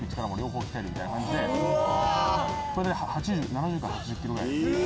７０から８０ｋｇぐらい。